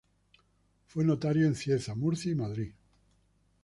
Fue notario en Cieza, Murcia y Madrid.